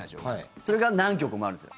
それが何局もあるんですよ。